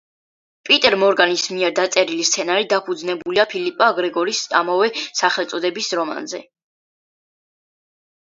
პიტერ მორგანის მიერ დაწერილი სცენარი დაფუძნებულია ფილიპა გრეგორის ამავე სახელწოდების რომანზე.